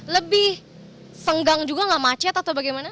lebih senggang juga nggak macet atau bagaimana